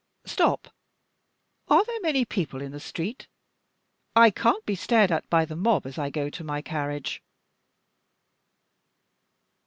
Stop! Are there many people in the street? I can't be stared at by the mob as I go to my carriage."